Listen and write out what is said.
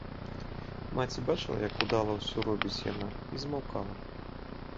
Маці бачыла, як удала ўсё робіць яна, і змаўкала.